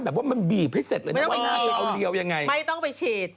เยอะไปป้า